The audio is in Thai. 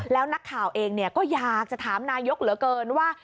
แล้วนักข่าวเองก็อยากจะถามนายกเหลือเกินว่า